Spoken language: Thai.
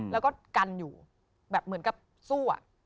แล้วก็กันอยู่แบบเหมือนกับสู้อะ